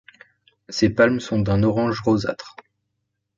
Ses palmes sont d'un orange rosâtre.